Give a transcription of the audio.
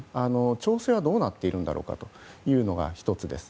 調整はどうなっているのだろうかというのが１つです。